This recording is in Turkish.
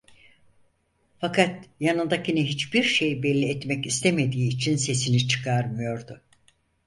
Fakat yanındakine hiçbir şey belli etmek istemediği için sesini çıkarmıyordu.